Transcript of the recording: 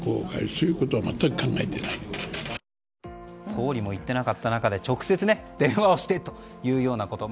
総理も言っていなかった中で直接電話してということ。